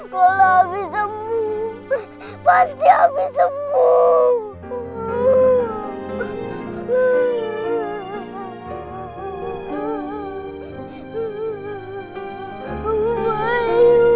kalau ami sembuh pasti ami sembuh